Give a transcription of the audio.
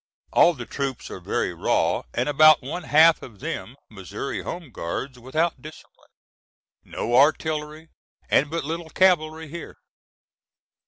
All the troops are very raw, and about one half of them Missouri Home Guards without discipline. No artillery and but little cavalry here.